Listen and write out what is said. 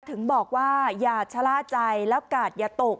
ถึงบอกว่าอย่าชะล่าใจแล้วกาดอย่าตก